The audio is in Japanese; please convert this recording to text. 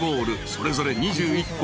［それぞれ２１個。